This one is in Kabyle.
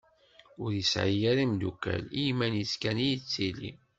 Ur yesɛi ara imdukal, iman-is kan i yettili.